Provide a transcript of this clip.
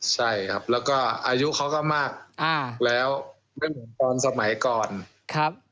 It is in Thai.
ใช่ครับแล้วก็อายุเขาก็มากอ่าแล้วเรื่องของตอนสมัยก่อนครับ